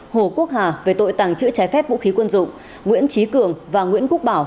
hồ quốc hà về tội tàng trữ trái phép vũ khí quân dụng nguyễn trí cường và nguyễn quốc bảo